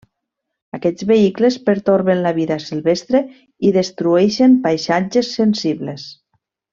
Aquests vehicles pertorben la vida silvestre i destrueixen paisatges sensibles.